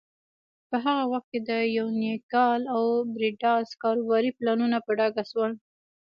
په هغه وخت کې د یونیکال او بریډاس کاروباري پلانونه په ډاګه شول.